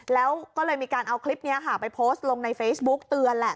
แล้วก็เลยมีการเอาคลิปนี้ค่ะไปโพสต์ลงในเฟซบุ๊กเตือนแหละ